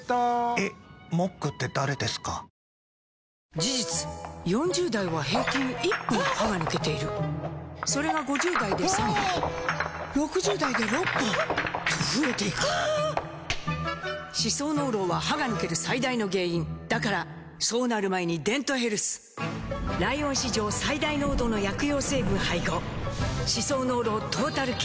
事実４０代は平均１本歯が抜けているそれが５０代で３本６０代で６本と増えていく歯槽膿漏は歯が抜ける最大の原因だからそうなる前に「デントヘルス」ライオン史上最大濃度の薬用成分配合歯槽膿漏トータルケア！